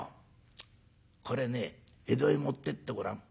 これね江戸へ持ってってごらん。